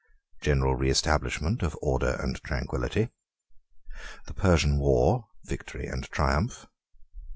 —General Reestablishment Of Order And Tranquillity.—The Persian War, Victory, And Triumph.